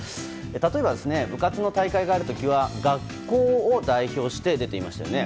例えば、部活の大会がある時は学校を代表して出ていましたよね。